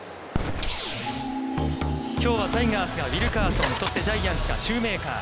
きょうはタイガースがウィルカーソン、そしてジャイアンツがシューメーカー。